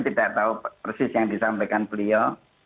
tidak tahu persis yang disampaikan beliau